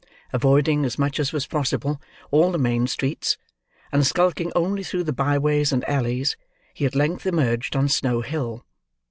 Avoiding, as much as was possible, all the main streets, and skulking only through the by ways and alleys, he at length emerged on Snow Hill.